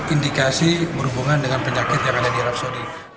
indikasi berhubungan dengan penyakit yang ada di arab saudi